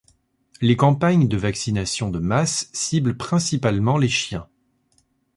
Les campagnes de vaccination de masse ciblent principalement les chiens.